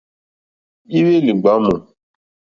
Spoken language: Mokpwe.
Éhwélì ɡbǎmù.